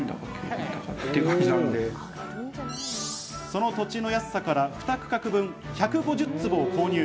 その土地の安さから２区画分１５０坪を購入。